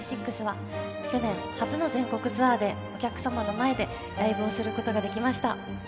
４６は去年、初の全国ツアーでお客様の前でライブをすることができました。